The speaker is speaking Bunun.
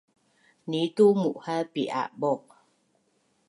Nii’tu mu’haz pi’abuq